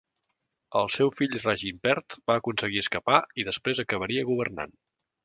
El seu fill Raginpert va aconseguir escapar i després acabaria governant.